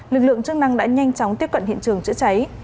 lực lượng chức năng đã nhanh chóng tiếp cận hiện trường chữa cháy